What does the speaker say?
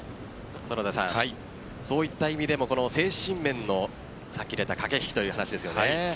園田さん、そういった意味でも精神面の駆け引きという話ですよね。